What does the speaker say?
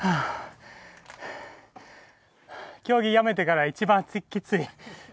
競技やめてから一番きつい。